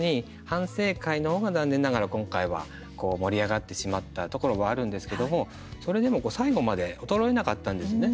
反省会の方が残念ながら今回は盛り上がってしまったところはあるんですけどもそれでも最後まで衰えなかったんですね